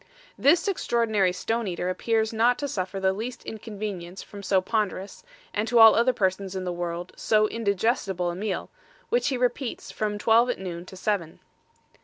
This Extraordinary Stone eater appears not to suffer the least Inconvenience from so ponderous, and to all other persons in the World, so indigestible a Meal, which he repeats from twelve at noon to seven.